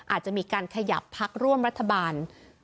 อาจจะมีการขยับพักร่วมรัฐบาล